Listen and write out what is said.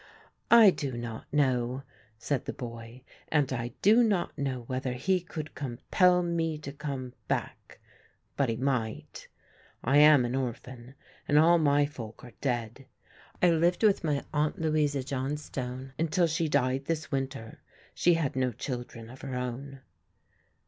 "I do not know," said the boy, "and I do not know whether he could compel me to come back, but he might. I am an orphan and all my folk are dead. I lived with my Aunt Louisa Johnstone until she died this winter; she had no children of her own."